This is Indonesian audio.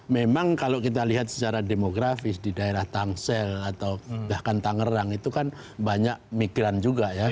memang kalau kita lihat secara demografis di daerah tangsel atau bahkan tangerang itu kan banyak migran juga ya